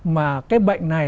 mà cái bệnh này